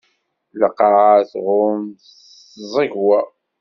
Lqaɛa tɣumm s tẓegwa.